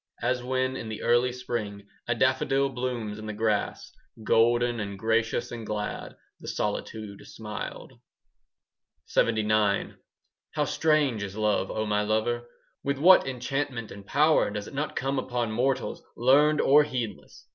As when, in the early spring, 5 A daffodil blooms in the grass, Golden and gracious and glad, The solitude smiled. LXXIX How strange is love, O my lover! With what enchantment and power Does it not come upon mortals, Learned or heedless!